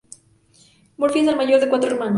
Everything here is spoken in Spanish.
Murphy es el mayor de cuatro hermanos.